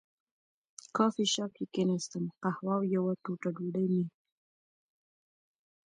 کافي شاپ کې کېناستم، قهوه او یوه ټوټه ډوډۍ مې.